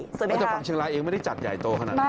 สวยไหมคะอาจารย์ฟังเชียงรายเองไม่ได้จัดใหญ่โตขนาดนี้